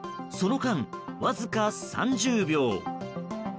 その間、わずか３０秒。